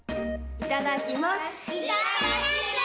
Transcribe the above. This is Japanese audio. いただきます！